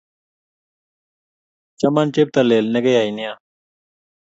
chaman cheptalele nekeyai nea.